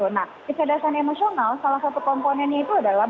nah kecerdasan emosional salah satu komponennya itu adalah